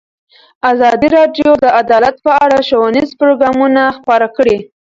ازادي راډیو د عدالت په اړه ښوونیز پروګرامونه خپاره کړي.